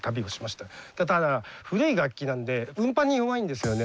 ただ古い楽器なんで運搬に弱いんですよね。